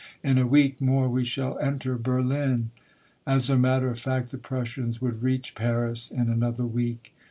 in a week more we shall enter Berlin.' " As a matter of fact, the Prussians would reach Paris in another week.